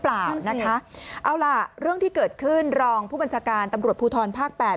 เปล่านะคะเอาล่ะเรื่องที่เกิดขึ้นรองผู้บัญชาการตำรวจภูทรภาคแปด